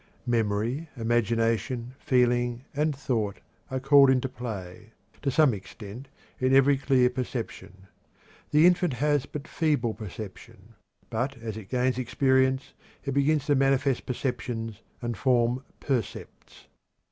Memory, imagination, feeling, and thought are called into play, to some extent, in every clear perception. The infant has but feeble perception, but as it gains experience it begins to manifest perceptions and form percepts.